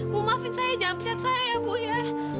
bu maafin saya jangan pecat saya ya bu ya